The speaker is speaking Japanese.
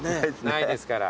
ないですから。